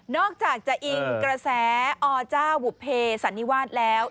อกจากจะอิงกระแสอเจ้าบุภเพสันนิวาสแล้ว